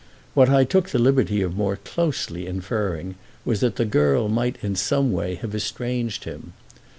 What I took the liberty of more closely inferring was that the girl might in some way have estranged him.